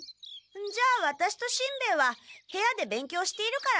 じゃあワタシとしんべヱは部屋で勉強しているから。